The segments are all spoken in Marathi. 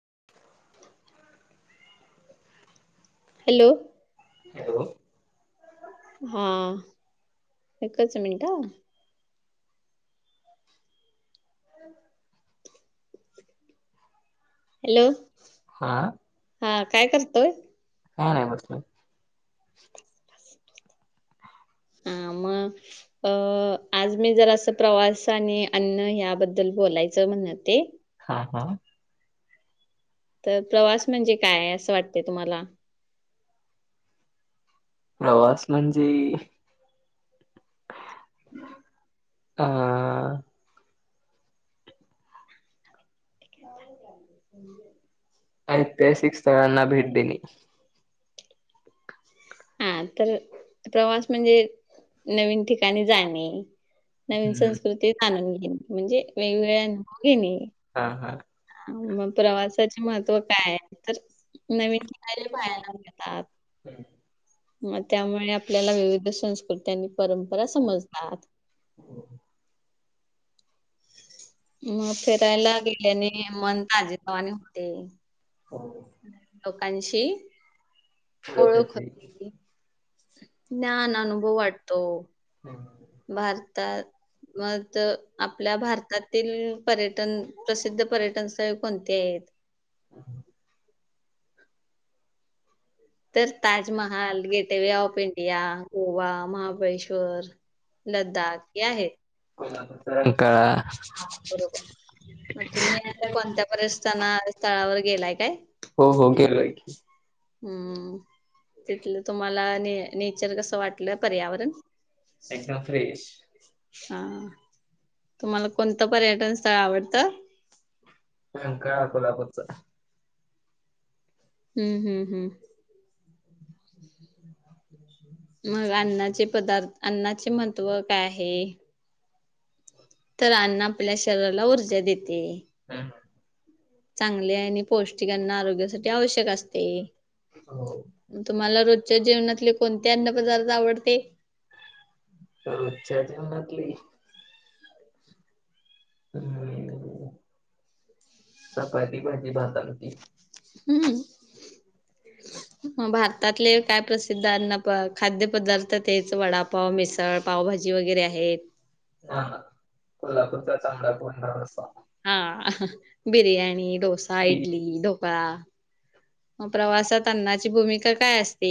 [inaudible] हॅलो. हॅलो. हां, एकच मिनिट. हॅलो, हा हा काय करतोय? हा, नाही [unintelligible] हा. मग, अ आज मी जरासं प्रवास आणि अन्न ह्याबद्दल बोलायचं म्हणते हां हां. तर प्रवास म्हणजे काय असं वाटते तुम्हाला? प्रवास म्हणजे हं. [inaudible] ऐतिहासिक स्थळांना भेट देणे. हां, तर प्रवास म्हणजे नवीन ठिकाणी जाणे. नवीन हम्म संस्कृती जाणून घेणे, म्हणजे वेगवेगळ्या अनुभव घेणे हां हां. मग प्रवासाचे महत्त्व काय, तर नवीन ठिकाणे पाहायला मिळतात. हम्म. मग त्यामुळे आपल्याला विविध संस्कृती आणि परंपरा समजतात. मगं फिरायला गेल्याने मन ताजीवानी होते. लोकांशी ओळख होते. [unintelligible] ज्ञान, अनुभव वाढतो. [inaudible] भारतात मग तर आपल्या भारतातील पर्यटन प्रसिद्ध पर्यटन स्थळे कोणती आहेत? तेच Taj Mahal, gateway of India, Goa, Mahabaleshwar Ladakh हे आहेत. कोल्हापूरचा रंकाळा हो बरोबर, मग तुम्ही कोणत्या स्तना -स्थळावर गेलाय काय? हो हो, गेलोय कि हम्म, तिथलं तुम्हाला ने नेचर कसं वाटलं, पर्यावरण? एकदम फ्रेश. हां, तुम्हाला कोणतं पर्यटन स्थळ आवडतं? रंकाळा कोल्हापूरच. हम्म, हम्म, हम्म. मग अन्नाचे पदार्थ, अन्नाचे महत्त्व काय आहे? तर अन्न आपल्या शरीराला ऊर्जा देते. हम्म चांगले आणि पौष्टिक अन्न आरोग्यासाठी आवश्यक असते. हो. तुम्हाला रोजच्या जेवनातले कोणते अन्न पदार्थ आवडते? रोजच्या जेवनातली हम्म, चपाती, भाजी, भात, आमंटी. हम्म. म, भारतातले काय प्रसिद्ध अन्न खाद्यपदार्थ तेच वडापाव मिसळ पावभाजी वगैरे आहेत. हां, कोल्हापूरचा तांबडा- पांढरा रस्सा. हां, बिर्याणी, डोसा, इडली, ढोकळा. म, प्रवासात अन्नाची भूमिका काय असते,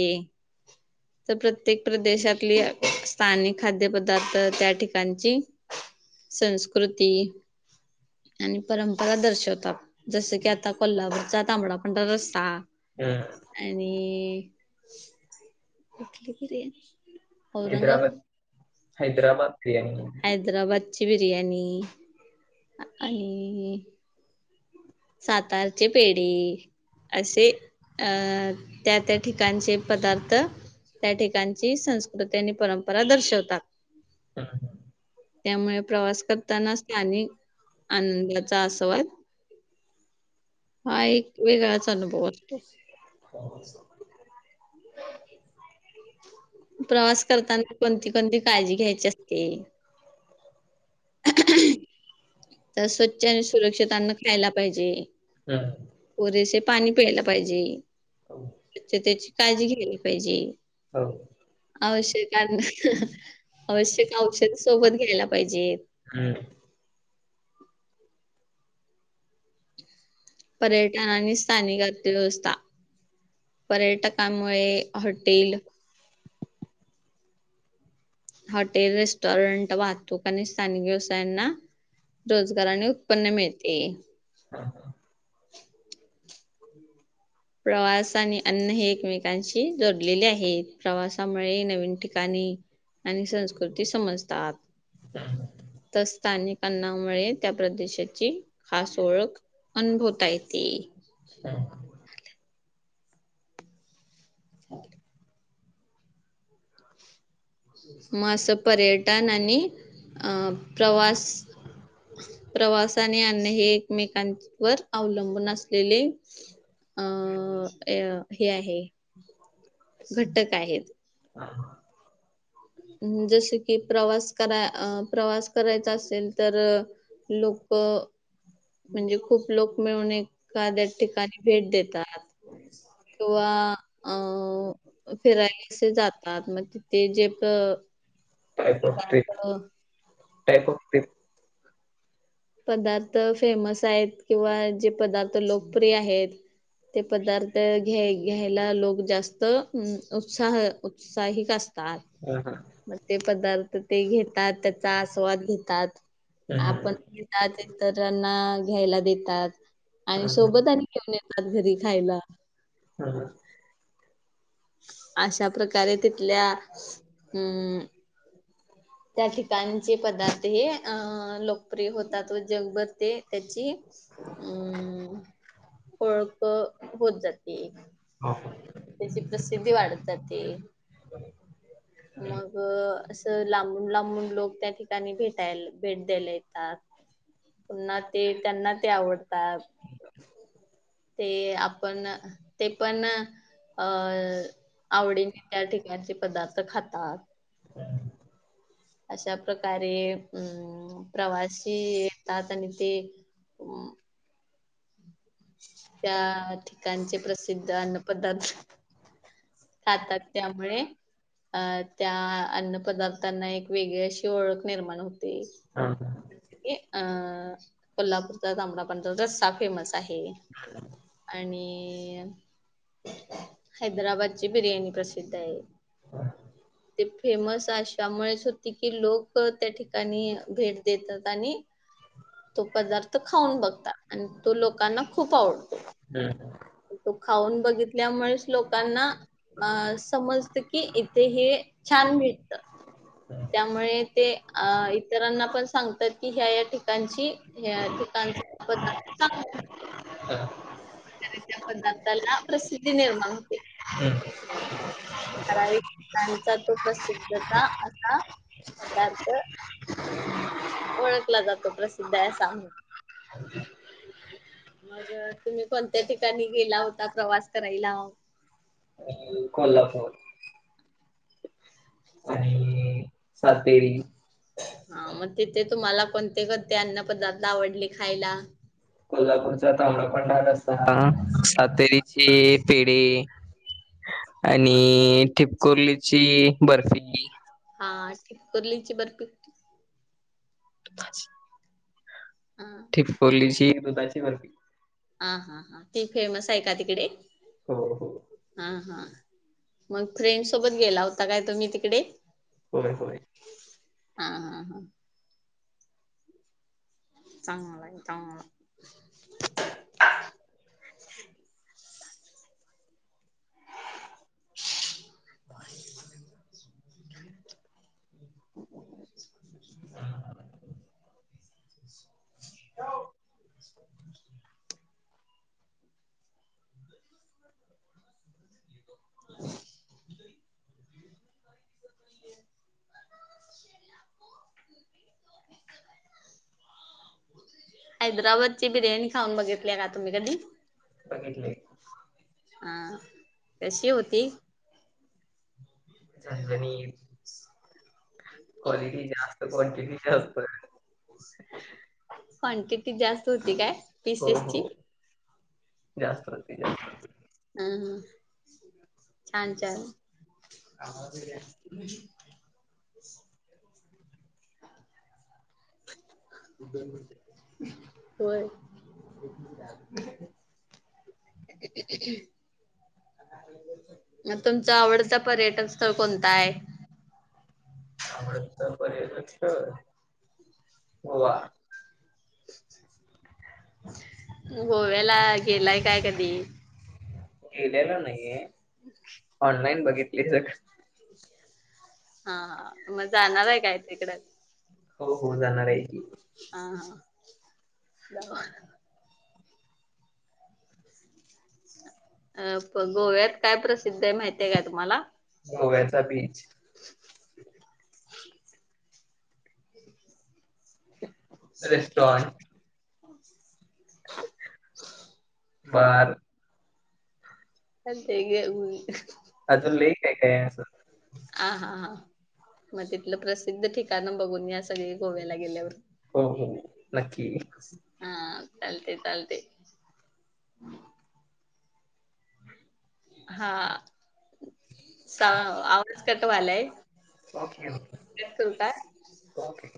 तर प्रत प्रत्येक प्र, देशातली स्थानिक खाद्य पदार्थ त्या ठिकाणची संस्कृती आणि परंपरा दर्शवतात, जसं की आता कोल्हापरचा तांबडा पांढरा रस्सा आणि. उठली कि रे, औरंगाबाद.? हैदराबाद बिर्याणी. हैद्राबादची बिर्याणी, आणि सातारचे पेढे. असे अं त्या- त्या ठिकाणचे पदार्थ. त्या ठिकाणची संसकृ तर त्यांनी परंपरा दर्शवतात, त्यामुळे प्रवास करताना स्थानिक, आनंदाचा आस्वाद. हा एक, वेगळाच अनुभव असतोय. [unintelligible] प्रवास करताना कोणती -कोणती काळजी घ्यायची असते. तर स्वच्छ आणि सुरक्षित अन्न खायला पाहिजे. [unintelligible] पुरेसे पाणी प्यायला पाहिजे, स्वच्छतेची काळजी घ्यायला पाहिजे‌. आव, आवश्यक, आवश्यक औषध सोबत घ्यायला पाहिजेत. हम. पर्यटन आणि स्थानिक अक्षर अर्थव्यवस्था. पर्यटकांमुळे... हॉटेल? हॉटेल रेस्ट रेस्टॉरंट वाहतूक आणि स्थानिक व्यवसायांना... रोजगार आणि उत्पन्न मिळते. हा हा. प्रवास आणि अन्न हे एकमेकांशी जोडलेले आहे, प्रवासामुळे नवीन ठिकाणी आणि संस्कृती समजतात. [unintelligible] तर स्थानिक अन्नामुळे त्या प्रदेशात -ची खास ओळख अनभवता येते. [unintelligible] [inaudible] मग असं पर्य टन आणि... अ प्रवास, प्रवास आणि अन्न हे मेकांवर अवलंबून असलेले अं... हे आहे. घटक आहेत. [inaudible] [unintelligible] जसं की प्रवास करा... अ... प्रवास करायचा असेल तर लोकं म्हणजे खूप लोक मिळून एखाद्या ठिकाणी... भेट देतात. किंवा अ.. फिराय असे जातात... मग तिथे जे त. काय बगती... काय बगतीस? पदार्थ फेमस आहेत किंवा जे पदार्थ लोकप्रिय आहेत ते पदार्थ घ्या... घ्यायला लोक जास्त हम्म... उत्साह.... उत्साहीक असतात. हां, हां. मग ते पदार्थ ते घेतात... त्याचा आस्वाद घेतात... हं. आपण त्यात... इतरांना घ्यायला देतात. आणि हं, हं. सोबत आणि घेऊन येतात घरी खायला हा हा. अशा प्रकारे तिथल्या हम्म [inaudible] त्या ठिकाण जे पदार्थ हे... अ... लोकप्रिय होतात व जगभर ते त्याची अ... होळख होत जाती. [unintelligible] त्याची प्रसिद्धी वाढत जाते... मग असं लांबून लांबून लोक त्या ठिकाणी भेटायला... भेट द्यायला येतात. पुन्हा ते त्यांना ते आवडतात... ते आप पण... ते पण अ.... आवडीने त्या ठिकाणचे पदार्थ खातात. अशा प्रकारे अं... प्रवासी येतात आणि ते [unintelligible] त्या ठिकाणचे प्रसिद्ध अन्नपदार्थ खातात त्यामुळे अ... त्या अन्न पदार्थांना एक वेगळी अशी ओळख निर्माण होती [unintelligible] अं कोल्हापूरचा तांबडा पांढरा रस्सा फेमस आहे. [unintelligible] आणि हैदराबाद बिर्याणी प्रसिद्ध आहे. ते फेमस अशामुळेच होती की, लोक त्या ठिकाणी भेट देतात आणी [inaudible] तो पदार्थ खाऊन बघता, आणि तो लोकांना खूप आवडतो. [unintelligible] तो खाऊन बघितल्यामुळेच लोकांना अ समजत की इथे हे छान मिळतं. त्यामुळे ते अ इतरांना पण सांगतात, की ह्या ह्या ठिकाणची ह्या ठिकाणच पदार्थ चांग हां. [unintelligible] पदार्थाला प्रसिद्धी निर्माण होते. [unintelligible] ठराविक [unintelligible] तो प्रसिद्ध असा पदार्थ ओळखला जातो प्रसिद्ध हाय असा म्हणून. [inaudible] मग तुम्ही कोणत्या ठिकाणी गेला होता प्रवास करायला? आणि कोल्हापूर. आणी [unintelligible] हा मग तिथे तुम्हाला कोणते कोणते अन्न पदार्थ आवडले खायला? कोल्हापूरचा तांबडा पांढरा रस्सा, सातेरीची पेढी आणि ठिपकुर्लीची बर्फि हा. ठिप्कुर्लीची बर्फी [unintelligible] हा ठिपकोलीची दुधाची बर्फी हा हा हां ती फेमस आहे का तिकडे? हो हो. हा. हा. मग फ्रेंड सोबत गेला होता काय तुम्ही तिकडे? होय. होय. हा हा हा. चांगला आहे. चांगला. [inaudible] [inaudible] [inaudible] हा. ह हैदराबादची बिर्याणी खाऊन बघितली का तुम्ही कधी? बघितले. हा. कशी होती? झणझणीत. क्वालिटी जास्त, क्वांटिटी जास्त. क्वांटिटी जास्त होती काय? हो पिसेसची हो जास्त राहते जास्त हूं हूं छान छान आम्हाला बी दया [unintelligible] होय. [unintelligible] [unintelligible] म तुमचा आवडता पर्यटन स्थळ कोणता आय? आवडतात पर्यटन स्थळ गोवा गोव्याला गेलाय काय कधी? गेलेलो नाहीये. [unintelligible] ऑनलाईन बघितलय सगळ हा हा म जाणार हाय काय तिकड हो हो जाणार आहे की हा हा [unintelligible] अ प गोव्यात काय प्रसिद्ध हाय माहितीय काय तुम्हाला गोव्याचा बीच रेस्टॉरंट [unintelligible] [unintelligible] बार पण ते घे वुई अजून लय काय काय ये असं आ हा हा म तिथलं प्रसिद्ध ठिकाण बघून या सगळे गोव्याला गेल्यावर हो हो नक्की हा चालते चालते. हा सां आवाज कट वालाय ओके ठेवू काय ओके.